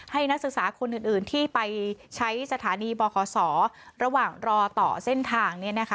ให้นักศึกษาคนอื่นที่ไปใช้สถานีหมอขอสอระหว่างรอต่อเส้นทางเนี่ยนะคะ